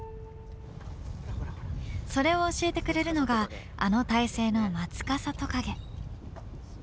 それを教えてくれるのがあの胎生のマツカサトカゲ。